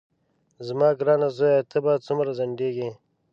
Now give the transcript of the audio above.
زما ګرانه زویه ته به څومره ځنډېږې.